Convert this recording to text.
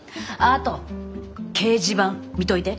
あと掲示板見といて。